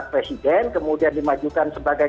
presiden kemudian dimajukan sebagai